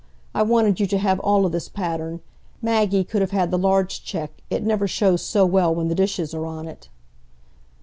I wanted you to have all o' this pattern. Maggie could have had the large check—it never shows so well when the dishes are on it."